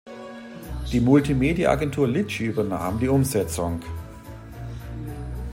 Die Multimedia-Agentur Litschi übernahm die Umsetzung.